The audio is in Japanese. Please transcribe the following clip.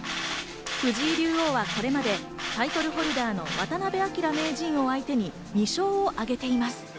藤井竜王はこれまでタイトルホルダーの渡辺明名人を相手に２勝を挙げています。